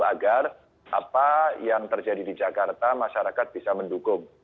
agar apa yang terjadi di jakarta masyarakat bisa mendukung